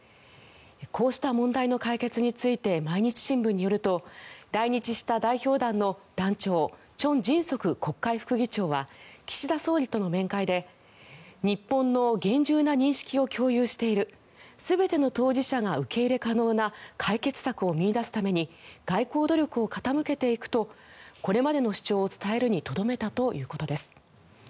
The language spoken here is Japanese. こうした問題の解決について毎日新聞によると来日した代表団の団長チョン・ジンソク国会副議長は岸田総理との面会で日本の厳重な認識を共有している全ての当事者が受け入れ可能な解決策を見いだすために外交努力を傾けていくとこれまでの主張を伝えるにとどめたということです。